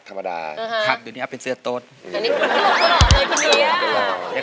กว่าจะจบรายการเนี่ย๔ทุ่มมาก